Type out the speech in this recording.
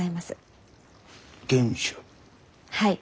はい。